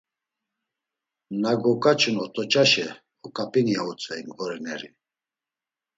Na goǩaçun ot̆oçaşe oǩap̌ini, ya utzvey mğorineri.